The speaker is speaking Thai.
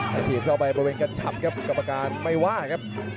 ถีบเข้าไปบริเวณกระฉับครับกรรมการไม่ว่าครับ